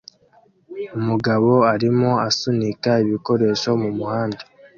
Umugabo arimo asunika ibikoresho mumuhanda